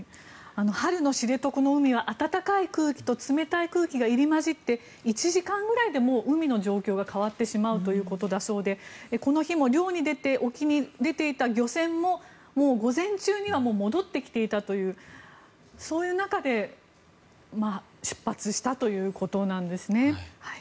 春の知床の海は暖かい空気と冷たい空気が入り混じって、１時間ぐらいで海の状況が変わってしまうということだそうでこの日も漁に出て沖に出ていた漁船も午前中には戻ってきていたというそういう中で出発したということなんですね。